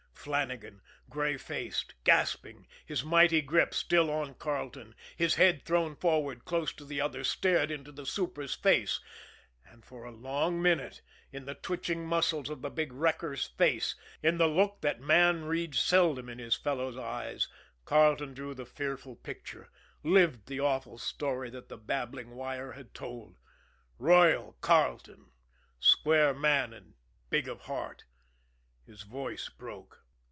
Flannagan, gray faced, gasping, his mighty grip still on Carleton, his head thrown forward close to the other's, stared into the super's face and, for a long minute, in the twitching muscles of the big wrecker's face, in the look that man reads seldom in his fellows' eyes, Carleton drew the fearful picture, lived the awful story that the babbling wire had told. "Royal" Carleton, square man and big of heart, his voice broke.